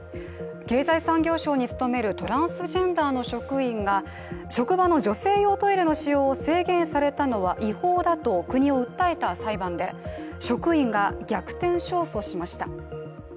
経済産業省に勤めるトランスジェンダーの職員が職場の女性用トイレの使用を制限されたのは違法だと国を訴えた裁判で、職員が逆転敗訴しました。